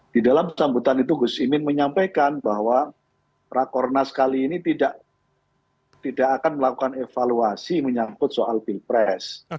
di dalam sambutan itu gus imin menyampaikan bahwa rakornas kali ini tidak akan melakukan evaluasi menyangkut soal pilpres